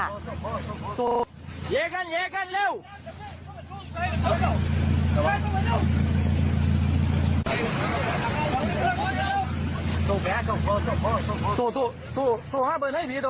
ไปไปไปเอาเอาเอาเอาขึ้นรถการณ์นี้เลยพีธรรม